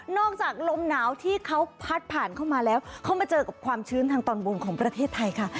จากลมหนาวที่เขาพัดผ่านเข้ามาแล้วเขามาเจอกับความชื้นทางตอนบนของประเทศไทยค่ะ